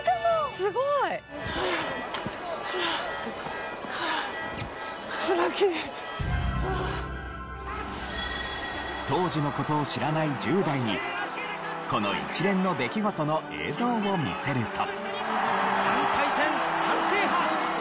すごい。当時の事を知らない１０代にこの一連の出来事の映像を見せると。